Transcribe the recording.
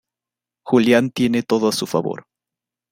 Julián tiene todo a su favor.